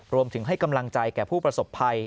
ให้กำลังใจแก่ผู้ประสบภัย